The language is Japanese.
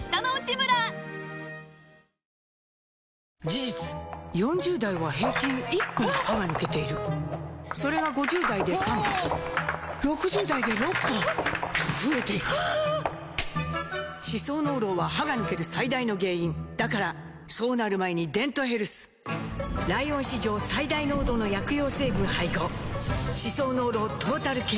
事実４０代は平均１本歯が抜けているそれが５０代で３本６０代で６本と増えていく歯槽膿漏は歯が抜ける最大の原因だからそうなる前に「デントヘルス」ライオン史上最大濃度の薬用成分配合歯槽膿漏トータルケア！